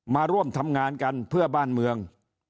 มาร่วมทำงานกันเพื่อบ้านเมือง